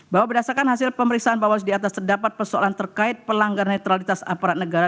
bahwa berdasarkan hasil pemeriksaan bawas di atas terdapat persoalan terkait pelanggar netralitas aparat negara